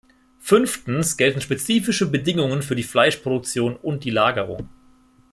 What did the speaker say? Fünftens gelten spezifische Bedingungen für die Fleischproduktion und die Lagerung.